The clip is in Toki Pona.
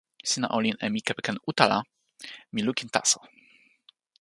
sina olin e mi kepeken uta la mi lukin taso.